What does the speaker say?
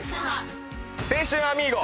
青春アミーゴ。